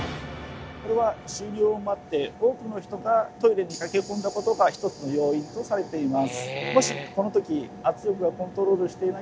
これは終了を待って多くの人がトイレに駆け込んだことが一つの要因とされています。